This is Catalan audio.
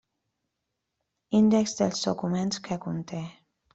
Índex dels documents que conté.